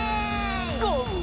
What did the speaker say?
ゴー！